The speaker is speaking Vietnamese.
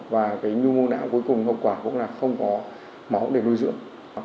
và nhu mô não cuối cùng hợp quả cũng là không có máu để nuôi dưỡng